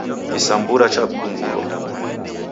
Kisambura chadumbulwa.